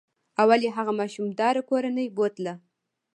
اول یې هغه ماشوم داره کورنۍ بوتله.